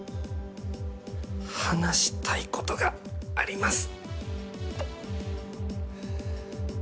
話したいことがあります。